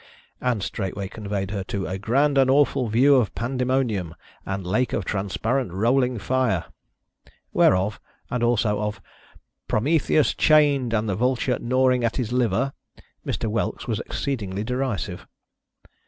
and straightway conveyed her to a " grand and awful view of Pandemonium, and Lake of Transparent EoUing Fire," whereof, and also of "Prome theus chained, and the Vulture gnawing at his liver," Mr. Whelks was exceedingly derisive.